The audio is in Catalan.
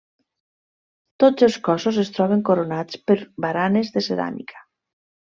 Tots els cossos es troben coronats per baranes de ceràmica.